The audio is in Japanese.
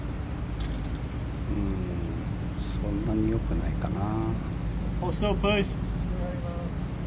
そんなによくないかな。